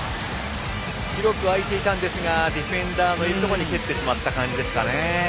広く空いていたんですがディフェンダーのいるところに蹴ってしまった感じですかね。